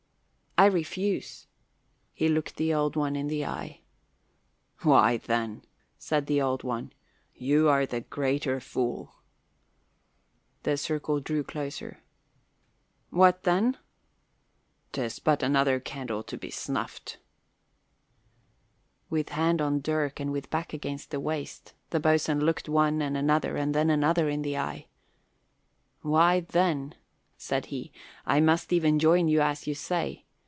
"I refuse." He looked the Old One in the eye. "Why, then," said the Old One, "you are the greater fool." The circle drew closer. "What then?" "'Tis but another candle to be snuffed." With hand on dirk and with back against the waist, the boatswain looked one and another and then another in the eye. "Why, then," said he, "I must even join you, as you say.